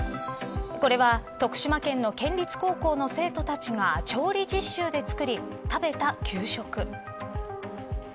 これは徳島県の県立高校の生徒たちが調理実習で作り、食べた給食。